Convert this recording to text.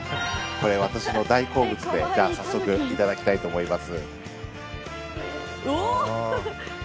これ、私の大好物でじゃあ早速いただきたいと思います。